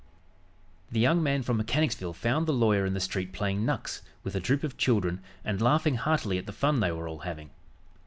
The young man from Mechanicsville found the lawyer in the street playing "knucks" with a troop of children and laughing heartily at the fun they were all having.